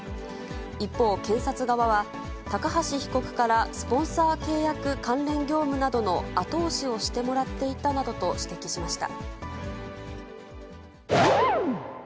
一方、検察側は、高橋被告からスポンサー契約関連業務などの後押しをしてもらっていたなどと指摘しました。